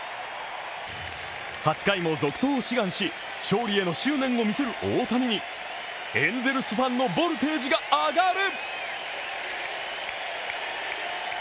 ８回も続投を志願し、勝利への執念を見せる大谷にエンゼルスファンのボルテージが上がる。